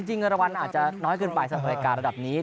จริงเงินรวรรรณน่าจะน้อยเกินไปสำหรับรายการระดับนี้